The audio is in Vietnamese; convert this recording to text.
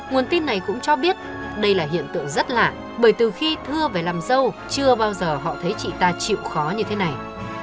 nguồn tin này cũng cho biết đây là hiện tượng rất lạ bởi từ khi thưa về làm dâu chưa bao giờ họ thấy chị ta chịu khó như thế này